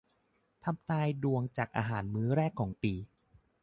ทำนายดวงจากอาหารมื้อแรกของปี